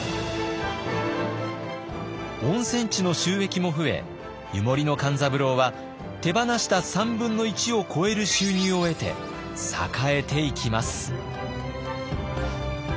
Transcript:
温泉地の収益も増え湯守の勘三郎は手放した３分の１を超える収入を得て栄えていきます。